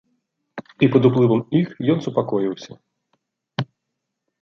І пад уплывам іх ён супакоіўся.